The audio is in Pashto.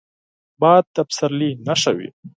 باد د پسرلي نښه وي